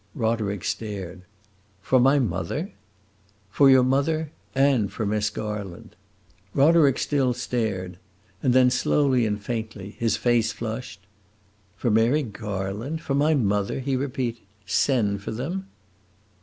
Roderick stared. "For my mother?" "For your mother and for Miss Garland." Roderick still stared; and then, slowly and faintly, his face flushed. "For Mary Garland for my mother?" he repeated. "Send for them?"